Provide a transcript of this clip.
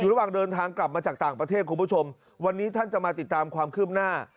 ระหว่างเดินทางกลับมาจากต่างประเทศคุณผู้ชมวันนี้ท่านจะมาติดตามความคืบหน้า